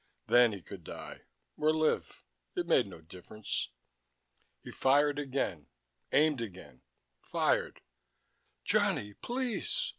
Then he could die, or live: it made no difference. He fired again, aimed again, fired.... "Johnny, please...."